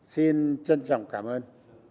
xin trân trọng cảm ơn